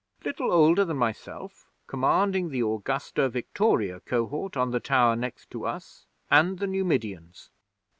Little older than myself, commanding the Augusta Victoria Cohort on the tower next to us and the Numidians.